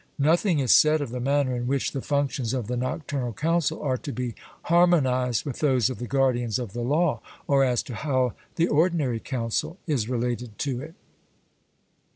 Nothing is said of the manner in which the functions of the Nocturnal Council are to be harmonized with those of the guardians of the law, or as to how the ordinary council is related to it.